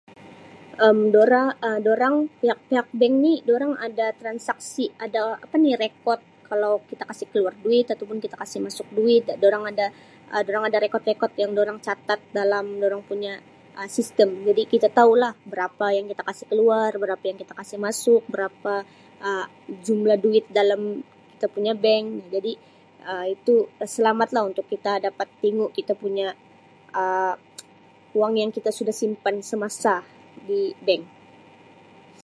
Um Dora Um dorang pihak-pihak bank ni dorang ada transaksi ada apa ni rekod kalau kita kasi' keluar duit atau pun kita kasi' masuk duit dorang ada Um dorang ada rekod-rekod yang dorang catat dalam dorang punya Um sistem jadi kita tau lah berapa yang kita kasi' keluar berapa yang kita kasi' masuk berapa Um jumlah duit dalam kita punya bank jadi Um itu selamat lah untuk kita dapat tingu kita punya Um wang yang kita sudah simpan semasa di bank.